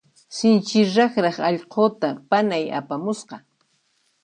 Sinchi raqraq allquta panay apamusqa.